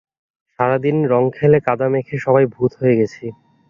সারা দিন রঙ খেলে কাদা মেখে সবাই ভূত হয়ে গেছি।